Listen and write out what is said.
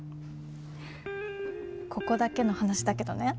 ここだけの話だけどね。